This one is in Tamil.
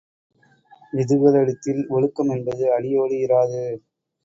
இதுகளிடத்தில் ஒழுக்கம் என்பது அடியோடு இராது.